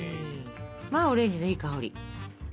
まあオレンジのいい香り。